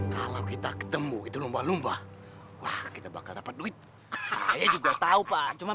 kalau kita ketemu itu lomba lomba kita bakal dapat duit saya juga tahu pak cuman